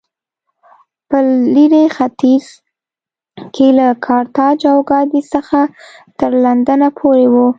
په لېرې ختیځ کې له کارتاج او کادېس څخه تر لندنه پورې و